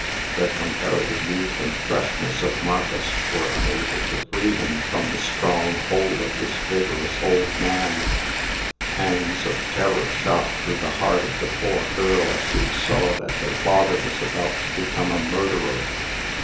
The comparative youth and freshness of Marcus were unable to free him from the strong hold of this vigorous old man. Pangs of terror shot through the heart of the poor girl as she saw that her father was about to become a murderer.